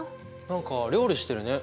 何か料理してるね。